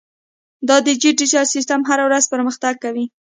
دا ډیجیټل سیستم هره ورځ پرمختګ کوي.